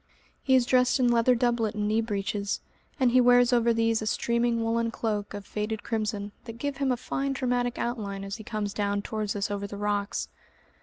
He is dressed in leather doublet and knee breeches, and he wears over these a streaming woollen cloak of faded crimson that give him a fine dramatic outline as he comes down towards us over the rocks.